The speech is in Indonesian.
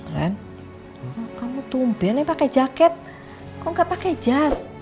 ren kamu tumpelnya pake jaket kok gak pake jas